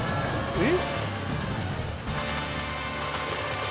えっ？